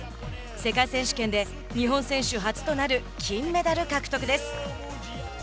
世界選手権で日本選手初となる金メダル獲得です。